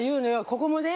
ここもね。